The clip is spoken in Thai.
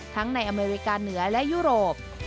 ในอเมริกาเหนือและยุโรป